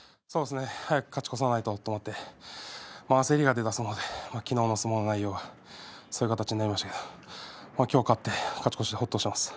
早く勝ち越さないとと思って焦りが出た相撲で昨日の相撲そういう形になりましたが今日、勝ち越してほっとしています。